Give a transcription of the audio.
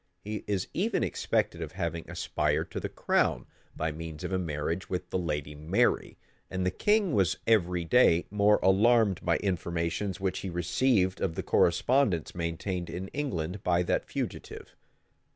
He is even suspected of having aspired to the crown, by means of a marriage with the lady Mary; and the king was every day more alarmed by informations which he received of the correspondence maintained in England by that fugitive.